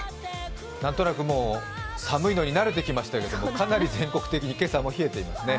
何となくもう、寒いのに慣れてきましたけども、かなり全国的に今朝も冷えてますね。